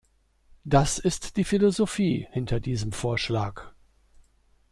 Das ist die Philosophie hinter diesem Vorschlag.